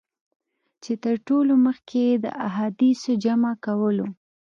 چي تر ټولو مخکي یې د احادیثو جمع کولو.